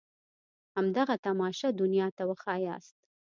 همدغه تماشه دنيا ته وښاياست.